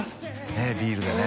ねぇビールでね。